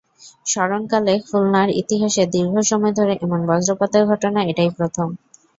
স্মরণকালে খুলনার ইতিহাসে দীর্ঘ সময় ধরে এমন বজ্রপাতের ঘটনা এটাই প্রথম।